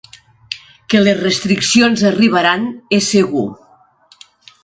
Que les restriccions arribaran és segur.